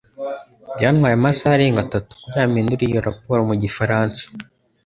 Byantwaye amasaha arenga atatu kugirango mpindure iyo raporo mu gifaransa.